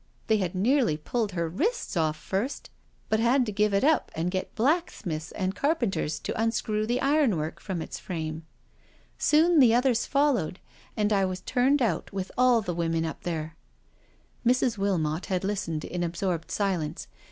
They had nearly pulled her wrists off first, but had to give it up and get blacksmiths and carpenters to unscrew the ironwork from its frame. Soon the others followed, and I was turned out together with all the women up there." AT THE WEEK END COTTAGE 157 Mrs. Wilmot had listened in absorbed silence.